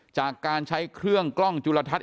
จากการใช้เครื่องกล้องจุลทัศน